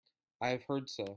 I have heard so.